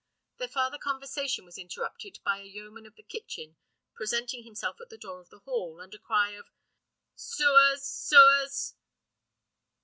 Their farther conversation was interrupted by a yeoman of the kitchen presenting himself at the door of the hall, and a cry of "Sewers, sewers!"